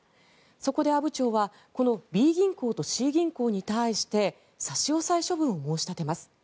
そこで阿武町はこのＢ銀行とＣ銀行に対して差し押さえ処分を申し立てます。